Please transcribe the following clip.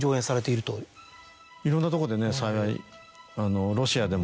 いろんなとこでね幸い。